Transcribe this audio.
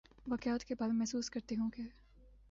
واقعات کے بعد میں محسوس کرتی ہوں کہ